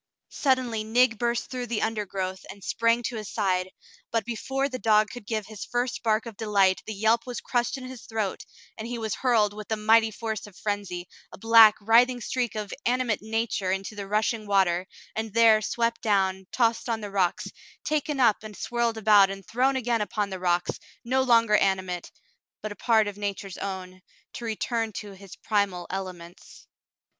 Suddenly Nig burst through the undergrowth and sprang to his side, but before the dog could give his first bark of delight the yelp was crushed in his throat, and he was hurled with the mighty force of frenzy, a black, writhing streak of animate nature into the rushing water, and there swept down, tossed on the rocks, taken up and swirled about and thrown again upon the rocks, no longer animate, but a part of nature's own, to return to 'his primal ele ments.